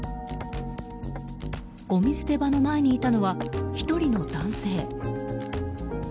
ごみ捨て場の前にいたのは１人の男性。